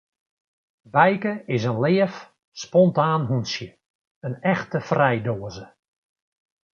Bijke is in leaf, spontaan hûntsje, in echte frijdoaze.